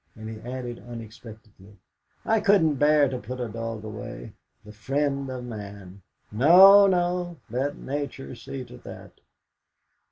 And he added unexpectedly: "I couldn't bear to put a dog away, the friend of man. No, no; let Nature see to that."